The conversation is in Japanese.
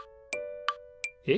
えっ？